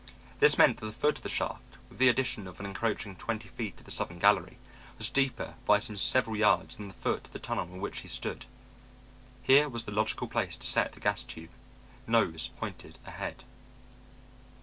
This meant that the foot of the shaft, with the addition of an encroaching twenty feet of the southern gallery, was deeper by some several yards than the floor of the tunnel in which he stood. Here was the logical place to set the gas tube, nose pointed ahead.